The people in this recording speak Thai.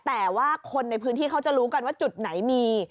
แต่ว่าคนในพื้นที่เขาจะรู้กันว่าจุดไหนมี